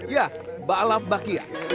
ya balap bakian